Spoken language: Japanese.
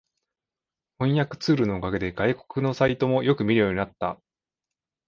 翻訳ツールのおかげで外国のサイトもよく見るようになった